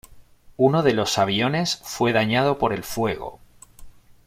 Uno de los aviones fue dañado por el fuego.